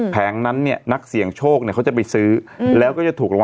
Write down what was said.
แผงนั้นนักเสี่ยงโชคเขาจะไปซื้อแล้วก็จะถูกรวม